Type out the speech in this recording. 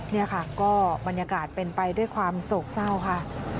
นี่ค่ะก็บรรยากาศเป็นไปด้วยความโศกเศร้าค่ะ